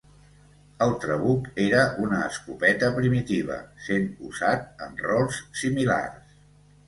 El trabuc era una escopeta primitiva, sent usat en rols similars.